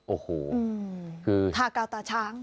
โอ้โหคือทากาวตาช้าง